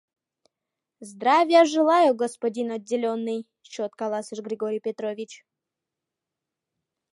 — Здравия желаю, господин отделенный! — чот каласыш Григорий Петрович.